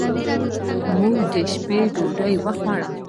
موږ د شپې ډوډۍ وخوړه.